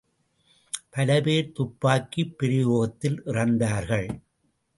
பல பேர் துப்பாக்கிப் பிரயோகத்தில் இறந்தார்கள்.